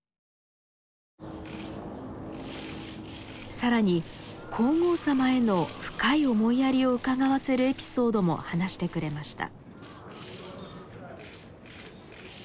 更に皇后さまへの深い思いやりをうかがわせるエピソードも話してくれました。